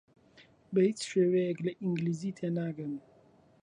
بە هیچ شێوەیەک لە ئینگلیزی تێناگەن.